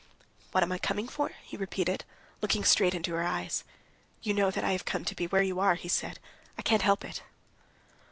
"What am I coming for?" he repeated, looking straight into her eyes. "You know that I have come to be where you are," he said; "I can't help it."